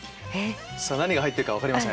何が入ってるかは分かりません。